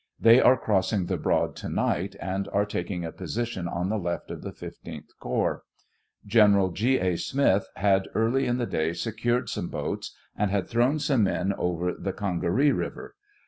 They are crossing the Broad to night, and are taking a position on the left of the 15th corps. Gefferal G . A. Smith had early in the day secured some boats, and had thrown some men over the Conga ree river.